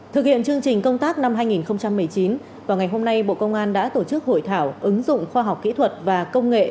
thực hiện chương trình công tác năm hai nghìn một mươi chín vào ngày hôm nay bộ công an đã tổ chức hội thảo ứng dụng khoa học kỹ thuật và công nghệ